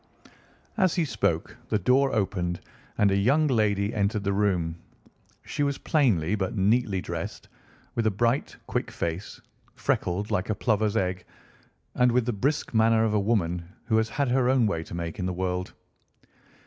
As he spoke the door opened and a young lady entered the room. She was plainly but neatly dressed, with a bright, quick face, freckled like a plover's egg, and with the brisk manner of a woman who has had her own way to make in the world.